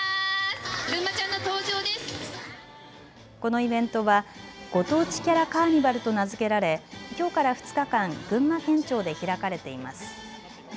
このイベントはご当地キャラカーニバルと名付けられきょうから２日間群馬県庁で開かれています。